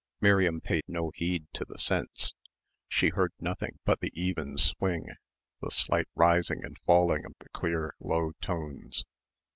Miriam paid no heed to the sense. She heard nothing but the even swing, the slight rising and falling of the clear low tones.